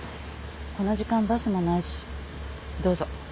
この時間バスもないしどうぞ。